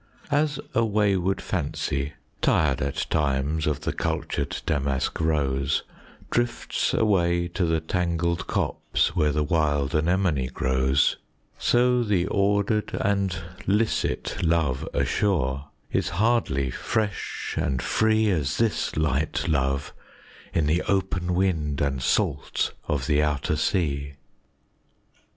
As a wayward Fancy, tired at times, of the cultured Damask Rose, Drifts away to the tangled copse, where the wild Anemone grows; So the ordered and licit love ashore, is hardly fresh and free As this light love in the open wind and salt of the outer sea.